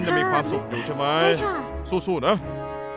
ยังเดินทางโดยส่วนอีฟานใช่ค่ะในนั้นจะมีความสุขอยู่ใช่ไหม